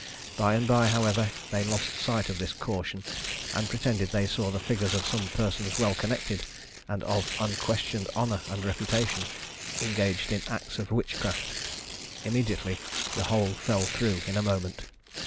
By and bye, however, they lost sight of this caution, and pretended they saw the figures of some persons well connected, and of unquestioned honour and reputation, engaged in acts of witchcraft. Immediately the whole fell through in a moment.